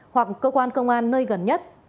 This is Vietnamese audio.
hoặc cơ quan công an nơi gần nhất